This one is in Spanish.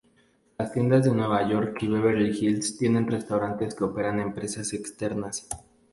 Las tiendas de Nueva York y Beverly Hills tienen restaurantes que operan empresas externas.